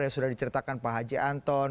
yang sudah diceritakan pak haji anton